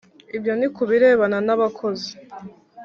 Ibyo ni ukubirebana n‘abakozi,